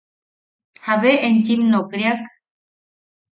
¿Jabe enchim nokriak?